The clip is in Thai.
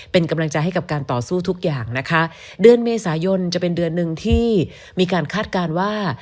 เป็นกำลังใจให้กับการต่อสู้ทุกอย่างนะคะเดือนเมษายนจะเป็นเดือนหนึ่งที่มีการคาดการณ์ว่า